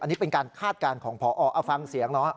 อันนี้เป็นการคาดการณ์ของพอเอาฟังเสียงเนาะ